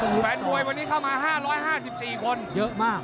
ต้องดิ่นนะต้องดิ่นนะ